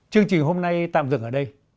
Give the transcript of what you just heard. chương trình hôm nay tạm dừng ở đây